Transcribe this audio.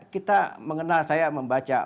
kita mengenal saya membaca